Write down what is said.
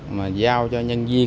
mà giao cho nhân viên